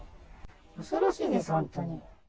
恐ろしいですよ、本当に。